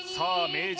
名人